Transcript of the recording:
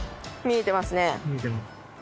見えてます。